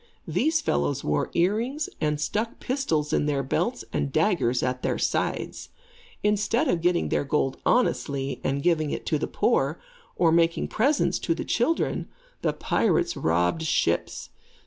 These fellows wore earrings and stuck pistols in their belts and daggers at their sides. Instead of getting their gold honestly, and giving it to the poor, or making presents to the children, the pirates robbed ships.